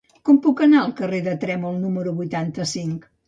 Com puc anar al carrer del Trèmol número vuitanta-cinc?